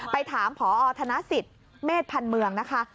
ไปถามผอธนสิตเมษภัณฑ์เมืองนะคะ